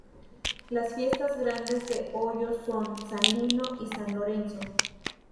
Las fiestas grandes de Hoyos son: San Lino y San Lorenzo.